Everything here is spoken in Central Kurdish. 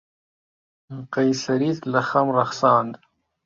قەیسەریت لە خەم ڕەخساند.